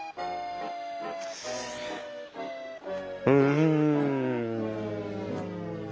うん。